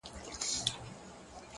علم د عقل او شعور سرچینه ده.